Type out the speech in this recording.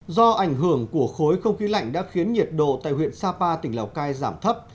do ảnh hưởng của khối không khí lạnh đã khiến nhiệt độ tại huyện sapa tỉnh lào cai giảm thấp